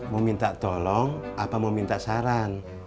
mau minta tolong apa mau minta saran